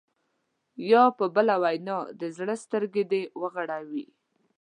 یا په بله وینا د زړه سترګې دې وغړوي.